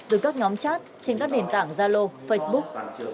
từ các nhóm chat trên các nền tảng zalo facebook